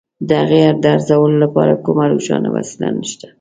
د هغې د ارزولو لپاره کومه روښانه وسیله نشته.